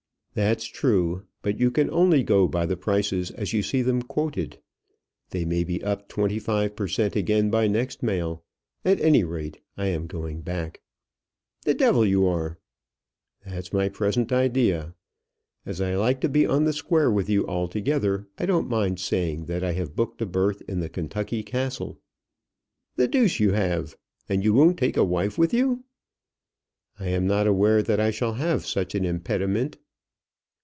"That's true. But you can only go by the prices as you see them quoted. They may be up 25 per cent again by next mail. At any rate, I am going back." "The devil you are!" "That's my present idea. As I like to be on the square with you altogether, I don't mind saying that I have booked a berth by the Kentucky Castle." "The deuce you have! And you won't take a wife with you?" "I am not aware that I shall have such an impediment."